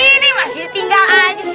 ini masih tinggal aja sih